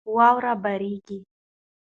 واوره بارېږي.